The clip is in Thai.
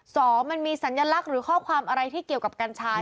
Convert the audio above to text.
สองมันมีสัญลักษณ์หรือข้อความอะไรที่เกี่ยวกับกัญชา